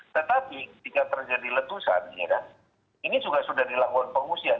tetapi ketika terjadi letusan ini juga sudah dilakukan pengungsian